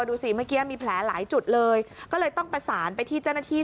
ดูสิเมื่อกี้มีแผลหลายจุดเลยก็เลยต้องประสานไปที่เจ้าหน้าที่